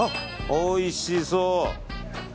おいしそう。